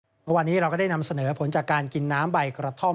เมื่อวานนี้เราก็ได้นำเสนอผลจากการกินน้ำใบกระท่อม